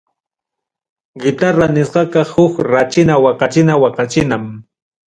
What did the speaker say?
Guitarra nisqaqa huk rachina waqachina waqachinam.